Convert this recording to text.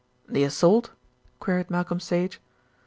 "The assault?" queried Malcolm Sage.